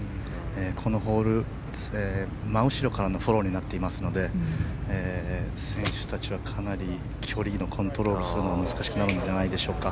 このホール、真後ろからのフォローになっていますので選手たちは、かなり距離のコントロールをするのが難しくなるんじゃないでしょうか。